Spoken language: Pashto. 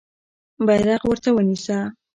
بیرغ ورته ونیسه.